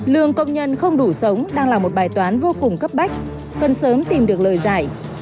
lương công nhân không đủ sống đang là một bài toán vô cùng cấp bách cần sớm tìm được lời giải